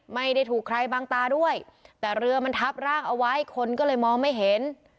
ไม่ได้ถูกใครบางตาด้วยแต่เรือมันทับร่างเอาไว้คนก็เลยมองไม่เห็น